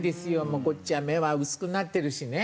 もうこっちは目は薄くなってるしね。